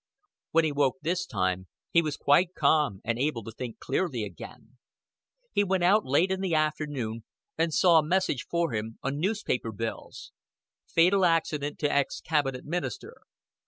When he woke this time he was quite calm, and able to think clearly again. He went out late in the afternoon, and saw a message for him on newspaper bills: "Fatal Accident to ex Cabinet Minister."